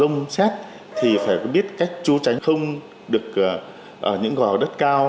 nó rông xét thì phải có biết cách chú tránh không được những gò đất cao